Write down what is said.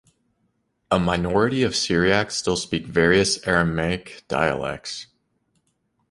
A minority of Syriacs still speak various Aramaic dialects.